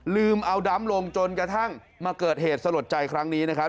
ลืมเอาดำลงจนกระทั่งมาเกิดเหตุสลดใจครั้งนี้นะครับ